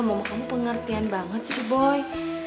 mama kamu pengertian banget sih boy